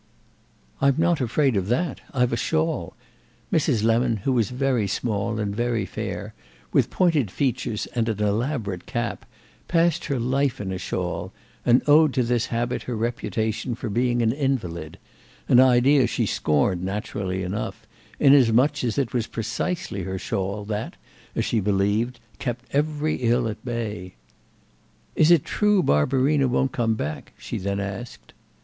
"I'm not afraid of that—I've a shawl!" Mrs. Lemon, who was very small and very fair, with pointed features and an elaborate cap, passed her life in a shawl, and owed to this habit her reputation for being an invalid—an idea she scorned, naturally enough, inasmuch as it was precisely her shawl that, as she believed, kept every ill at bay. "Is it true Barbarina won't come back?" she then asked.